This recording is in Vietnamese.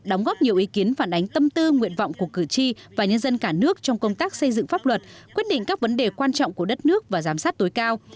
đóng góp nhiều ý kiến phản ánh tâm tư nguyện vọng của cử tri và nhân dân cả nước trong công tác xây dựng pháp luật quyết định các vấn đề quan trọng của đất nước và giám sát tối cao